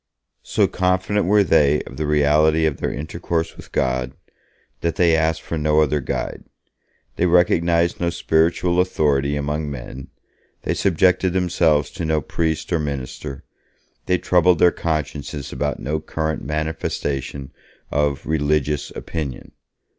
So confident were they of the reality of their intercourse with God, that they asked for no other guide. They recognized no spiritual authority among men, they subjected themselves to no priest or minister, they troubled their consciences about no current manifestation of 'religious opinion'.